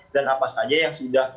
dan apa saja yang sudah